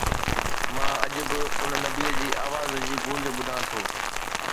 مان اڄ به ان نبيءَ جي آواز جي گونج ٻڌان ٿو.